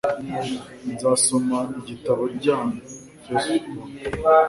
Nzasoma igitabo uryamye. (fcbond)